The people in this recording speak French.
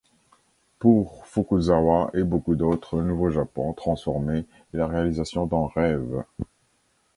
Pour Fukuzawa et beaucoup d'autres, le nouveau Japon transformé est la réalisation d'un rêve.